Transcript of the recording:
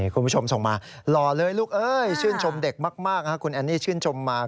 คุณผู้ชมส่งมาหล่อเลยลูกเอ้ยชื่นชมเด็กมากคุณแอนนี่ชื่นชมมา